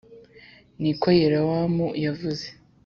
Niko yerowamu yavuze